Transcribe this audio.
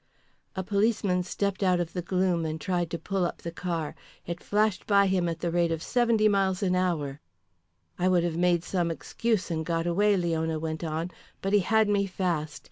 A policeman stepped out of the gloom and tried to pull up the car. It flashed by him at the rate of 70 miles an hour. "I would have made some excuse and got away," Leona went on. "But he had me fast.